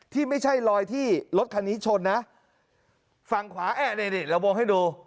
ที่ไม่ใช่รอยที่รถคันนี้ชนนะฝั่งขวาแอะนี่นี่เราวงให้ดู